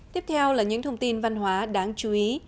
tiếp theo là những thông tin văn hóa đáng chú ý